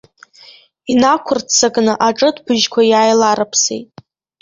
Инақәырццакны аҿыҭбжьқәа иааиларыԥсеит.